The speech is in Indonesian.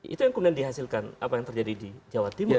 itu yang kemudian dihasilkan apa yang terjadi di jawa timur